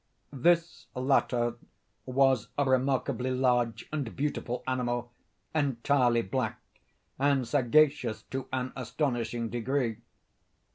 This latter was a remarkably large and beautiful animal, entirely black, and sagacious to an astonishing degree.